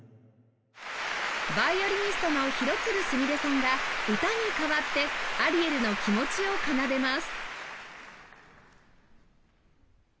ヴァイオリニストの廣津留すみれさんが歌に代わってアリエルの気持ちを奏でます